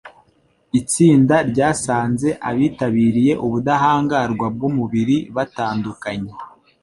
Itsinda ryasanze abitabiriye ubudahangarwa bw'umubiri batandukanye